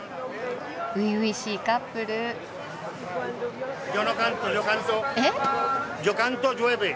初々しいカップル。え？